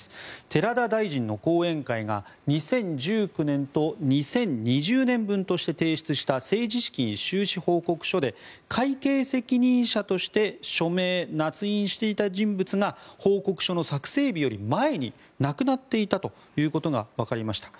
寺田大臣の後援会が２０１９年と２０２０年分として提出した政治資金収支報告書で会計責任者として署名・なつ印していた人物が報告書の作成日より前に亡くなっていたということがわかりました。